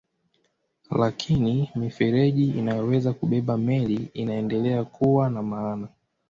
Lakini mifereji inayoweza kubeba meli inaendelea kuwa na maana.